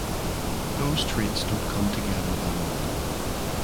Those traits don’t come together that often.